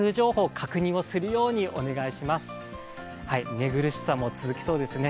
寝苦しさも続きそうですね。